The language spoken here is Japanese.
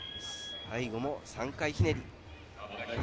最後も３回ひねり。